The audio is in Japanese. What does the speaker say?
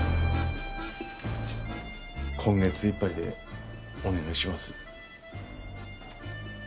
今月いっぱいでお願いします。